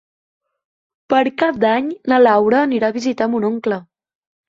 Per Cap d'Any na Laura anirà a visitar mon oncle.